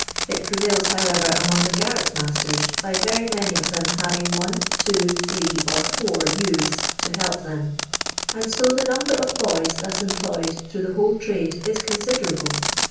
It prevails, however, among the garret masters, by very many of them havmg one, two, three or four youths to help them, and so the number of boys thus employed through the whole trade is considerable.